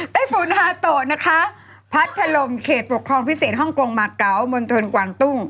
ฝนฮาโตะนะคะพัดถล่มเขตปกครองพิเศษฮ่องกงมาเกาะมณฑลกวางตุ้ง